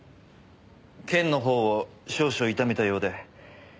腱の方を少々痛めたようで。